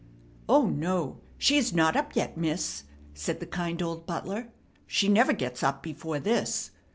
"O no, she is not up yet, miss," said the kind old butler; "she never gets up before this.